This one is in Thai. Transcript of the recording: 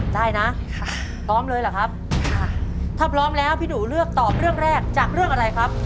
ได้นะพร้อมเลยหรือครับพี่หนูเรียกตอบเรื่องแรกจากเรื่องอะไรครับ